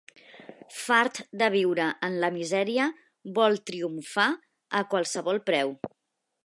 Fart de viure en la misèria, vol triomfar a qualsevol preu.